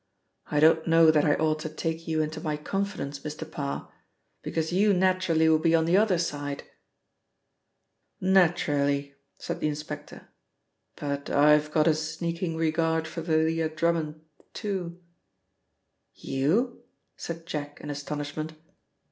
"I don't know that I ought to take you into my confidence, Mr. Parr, because you naturally will be on the other side." "Naturally," said the inspector, "but I've got a sneaking regard for Thalia Drummond, too." "You?" said Jack in astonishment.